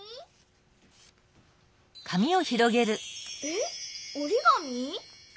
えっおりがみ？